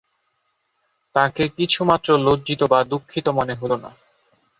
তাঁকে কিছুমাত্র লজ্জিত বা দুঃখিত মনে হল না।